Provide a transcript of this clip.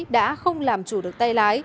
đã không làm chủ được tay lái